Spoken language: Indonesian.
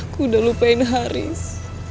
aku udah lupain haris